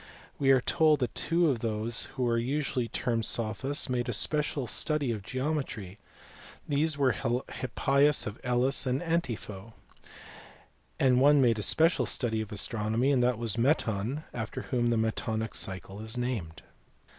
We are told that two of those who are usually termed sophists made a special study of geometry these were Hippias of Elis and Antipho and one made a special study of astronomy this was Meton, after whom the metonic cycle is named.